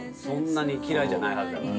そんなに嫌いじゃないはず。